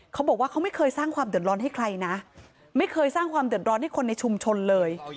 เขาบอกว่าเขาไม่เคยสร้างความเดือดร้อนให้ใครนะไม่เคยสร้างความเดือดร้อนให้คนในชุมชนเลย